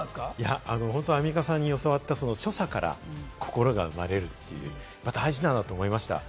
アンミカさんに教わった所作から心が生まれるという大事だなと思いました。